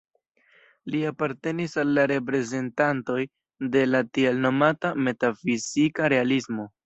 Li apartenis al la reprezentantoj de la tiel nomata "metafizika realismo".